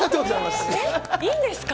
いいんですか？